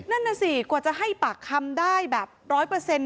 นั่นน่ะสิกว่าจะให้ปากคำได้แบบร้อยเปอร์เซ็นต